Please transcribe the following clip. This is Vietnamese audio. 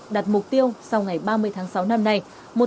đặt mục tiêu sau ngày ba mươi tháng sáu năm nay